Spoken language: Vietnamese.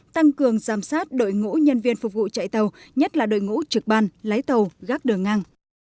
tăng cường giám sát đội ngũ nhân viên phục vụ chạy tàu nhất là đội ngũ trực ban lái tàu gác đường ngang